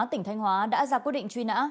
tỉnh thanh hóa đã ra quyết định truy nã